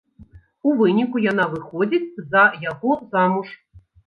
У выніку яна выходзіць за яго замуж.